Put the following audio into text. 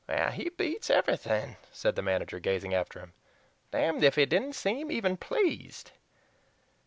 "He beats everything!" said the manager, gazing after him. "Damned if he didn't seem even PLEASED."